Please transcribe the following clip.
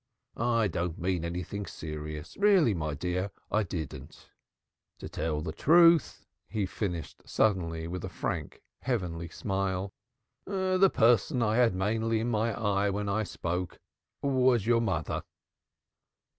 I didn't mean anything serious really, my dear, I didn't. To tell you the truth," he finished suddenly with a frank, heavenly smile, "the person I had mainly in my eye when I spoke was your mother."